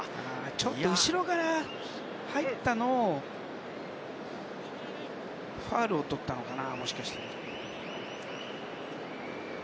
ちょっと後ろから入ったのをファウルをとったのかな？